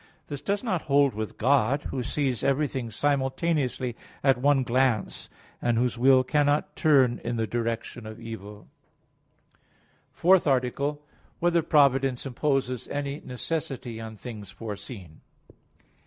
This does not hold with God, Who sees everything simultaneously at one glance, and whose will cannot turn in the direction of evil. _______________________ FOURTH ARTICLE [I, Q. 22, Art. 4] Whether Providence Imposes Any Necessity on Things Foreseen?